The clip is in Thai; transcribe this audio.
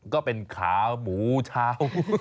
ก็เป็นขาหมูเช้า